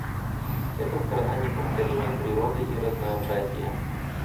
Это страна неповторимой природы и разнообразия.